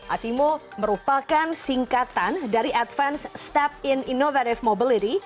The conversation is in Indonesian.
asimo merupakan singkatan dari advance step in innovative mobility